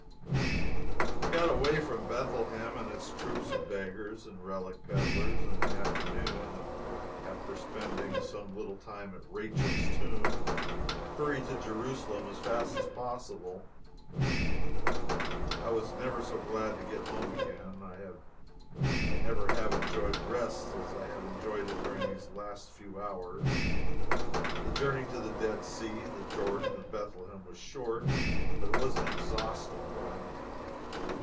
We got away from Bethlehem and its troops of beggars and relic peddlers in the afternoon, and after spending some little time at Rachel's tomb, hurried to Jerusalem as fast as possible. I never was so glad to get home again before. I never have enjoyed rest as I have enjoyed it during these last few hours. The journey to the Dead Sea, the Jordan and Bethlehem was short, but it was an exhausting one.